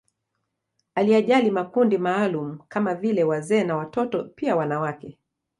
Aliyajali makundi maalumu kama vile wazee na watoto pia wanawake